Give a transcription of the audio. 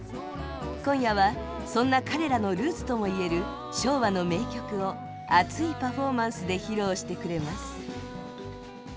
今夜はそんな彼らのルーツとも言える昭和の名曲を熱いパフォーマンスで披露してくれます。